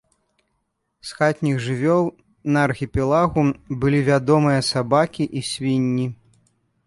З хатніх жывёл на архіпелагу былі вядомыя сабакі і свінні.